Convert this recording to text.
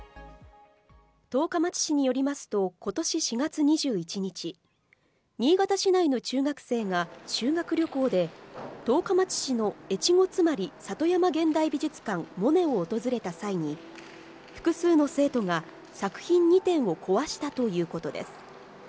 十日町市によりますと今年４月２１日、新潟市内の中学生が修学旅行で十日町市の越後妻有里山現代美術館ＭｏｎＥＴを訪れた際に、複数の生徒が作品２点を壊したということです。